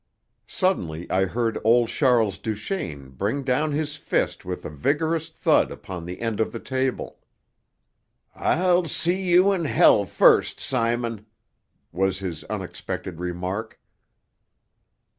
Suddenly I heard old Charles Duchaine bring down his fist with a vigorous thud upon the end of the table. "I'll see you in first, Simon!" was his unexpected remark.